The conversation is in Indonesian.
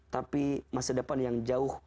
tapi masa depan yang jauh